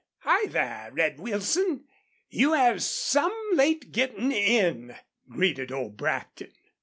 "Hi thar, Red Wilson, you air some late gettin' in," greeted old Brackton.